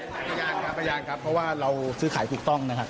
พยานครับพยานครับเพราะว่าเราซื้อขายถูกต้องนะครับ